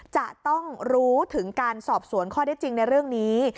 จะต้องรู้ถึงการสอบสวนข้อได้จริงในเรื่องนี้